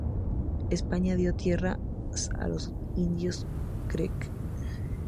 España dio tierras a los Indios Creek.